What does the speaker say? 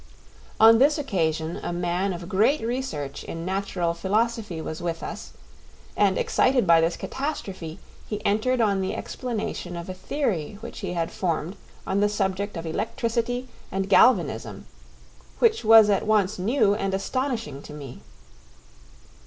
On this occasion a man of great research in natural philosophy was with us, and excited by this catastrophe, he entered on the explanation of a theory which he had formed on the subject of electricity and galvanism, which was at once new and astonishing to me.